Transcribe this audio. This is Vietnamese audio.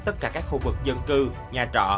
tất cả các khu vực dân cư nhà trọ